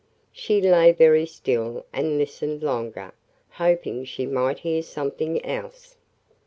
She lay very still and listened longer, hoping she might hear something else.